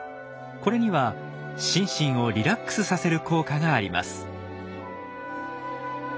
これには心身をリラックスさせる効果があります。